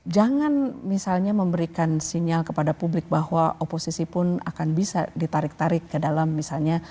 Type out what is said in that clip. jangan misalnya memberikan sinyal kepada publik bahwa oposisi pun akan bisa ditarik tarik ke dalam misalnya